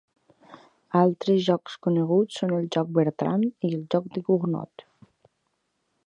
Altres jocs coneguts són el joc Bertrand i el joc de Cournot.